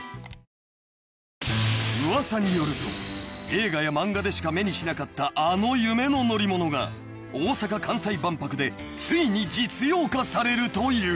［映画や漫画でしか目にしなかったあの夢の乗り物が大阪・関西万博でついに実用化されるという！］